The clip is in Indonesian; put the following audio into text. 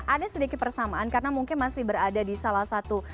ada sedikit persamaan karena mungkin masih berada di salah satu